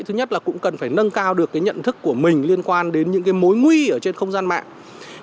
thứ nhất là cũng cần phải nâng cao được cái nhận thức của mình liên quan đến những cái mối nguy ở trên không gian mạng